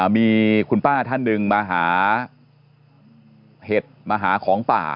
มีคุณป้าท่านหนึ่งมาหาเห็ดมาหาของป่า